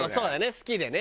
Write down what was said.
好きでね。